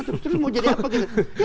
terus mau jadi apa